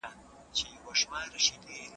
د ماسټرۍ برنامه بې بودیجې نه تمویلیږي.